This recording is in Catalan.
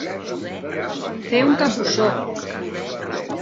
Fer un capbussó.